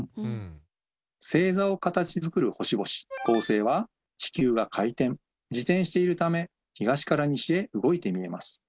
星座を形づくる星々恒星は地球が回転自転しているため東から西へ動いて見えます。